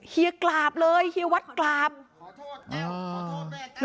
เฮียกราบเลยเฮียวัฒน์กราบขอโทษเต้าขอโทษเต้า